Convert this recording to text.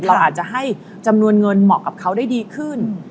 เราอาจจะให้จำนวนเงินเหมาะกับเขาได้ดีขึ้น